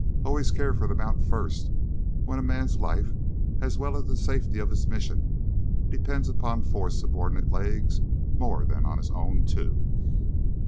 Always care for the mount first when a man's life, as well as the safety of his mission, depended on four subordinate legs more than on his own two.